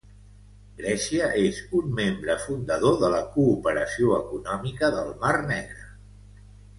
Grècia és un membre fundador de la Cooperació Econòmica del Mar Negre.